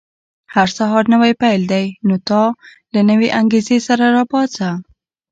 • هر سهار نوی پیل دی، نو تل له نوې انګېزې سره راپاڅه.